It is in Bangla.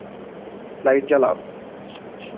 লাইট জ্বালাও।